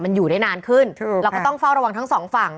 มันอยู่ได้นานขึ้นถูกเราก็ต้องเฝ้าระวังทั้งสองฝั่ง